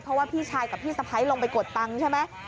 เพราะว่าพี่ชายกับพี่สะพ้ายลงไปกดตังค์ใช่ไหม